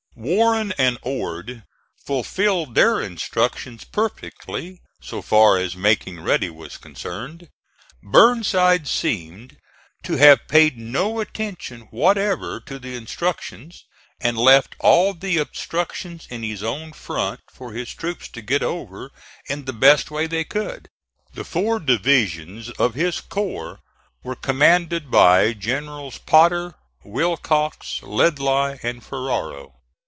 Warren and Ord fulfilled their instructions perfectly so far as making ready was concerned. Burnside seemed to have paid no attention whatever to the instructions, and left all the obstruction in his own front for his troops to get over in the best way they could. The four divisions of his corps were commanded by Generals Potter, Willcox, Ledlie and Ferrero.